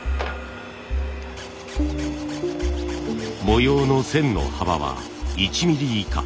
模様の線の幅は１ミリ以下。